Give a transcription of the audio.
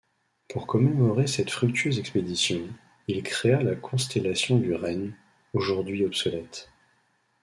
Pour commémorer cette fructueuse expédition, il créa la constellation du Renne, aujourd'hui obsolète.